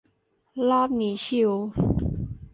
รอบนี้ชิล